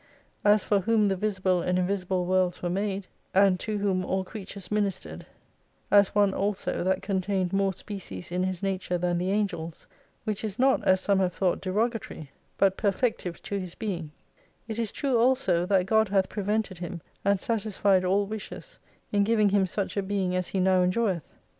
As for whom the visible and invisible worlds were made, and to whom all creatures ministered : as one also, that contained more species in his nature than the Angels, which is not as some have thought derogatory, but perfective to his 299 being : It is true also that Gcd hath prevented him, and satisfied all wishes, in giving him such a being as he now enjoyeth.